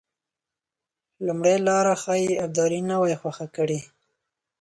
لومړۍ لاره ښایي ابدالي نه وای خوښه کړې.